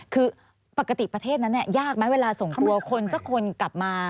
คือปกติประเทศนั้นยากไหมเวลาส่งตัวคนสักคนกลับมา